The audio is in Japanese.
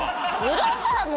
うるさい！